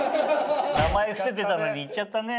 名前伏せてたのに言っちゃったね。